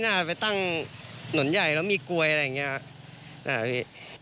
ไปตั้งถนนใหญ่แล้วมีกลวยอะไรอย่างนี้พี่